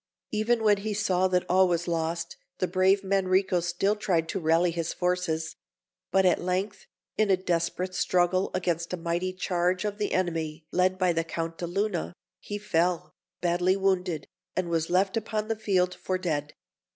Even when he saw that all was lost, the brave Manrico still tried to rally his forces; but at length, in a desperate struggle against a mighty charge of the enemy, led by the Count de Luna, he fell, badly wounded, and was left upon the field for dead.